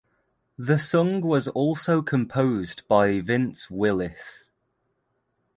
The song was also composed by Vince Willis.